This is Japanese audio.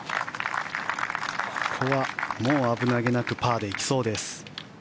ここはもう危なげなくパーで行きそうです。